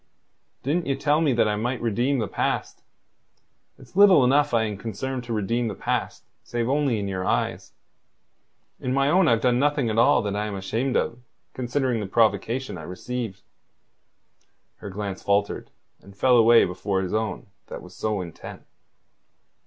Didn't ye tell me that I might redeem the past? It's little enough I am concerned to redeem the past save only in your eyes. In my own I've done nothing at all that I am ashamed of, considering the provocation I received." Her glance faltered, and fell away before his own that was so intent.